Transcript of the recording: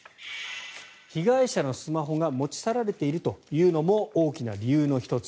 被害者のスマホが持ち去られているというのも大きな理由の１つ。